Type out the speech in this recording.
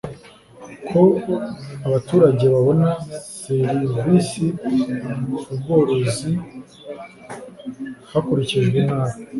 Uko abaturage babona ser isi z ubworozi hakurikijwe intara